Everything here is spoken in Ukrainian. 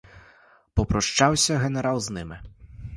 Попрощався генерал з ними.